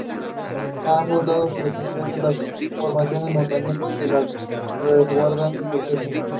A ambos lados se encuentran las dos formaciones montañosas que la resguardan y protegen.